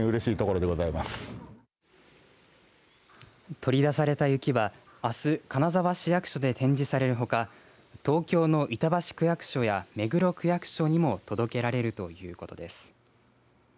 取り出された雪はあす金沢市役所で展示されるほか東京の板橋区役所や目黒区役所にも届けられるということです。